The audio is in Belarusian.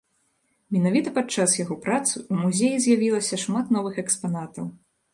Менавіта падчас яго працы ў музеі з'явілася шмат новых экспанатаў.